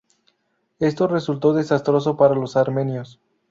Esto resultó desastroso para los armenios.